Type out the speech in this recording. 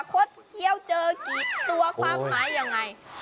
คดเคี้ยวเจอกี่ตัวความหมายยังไง